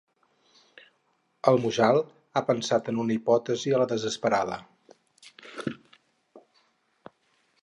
El Mujal ha pensat en una hipòtesi a la desesperada.